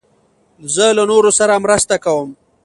زه له نورو سره مرسته کوم.